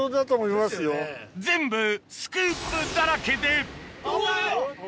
全部スクープだらけで！